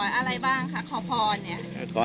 อะไรบ้างค่ะขอพรเนี่ย